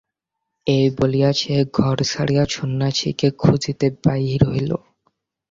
এই বলিয়া সে ঘর ছাড়িয়া সন্ন্যাসীকে খুঁজিতে বাহির হইল।